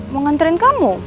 mau nganterin kamu